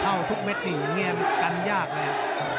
เอาทุกเม็ดดินี่กันยากเลย